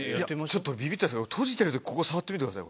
ちょっとびびったんですけど閉じてる時ここ触ってみて。